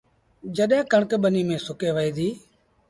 جڏهيݩ ڪڻڪ ٻنيٚ ميݩ سُڪي وهي ديٚ